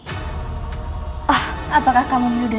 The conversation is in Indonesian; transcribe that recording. apakah kamu menuduh raden wolang sungsang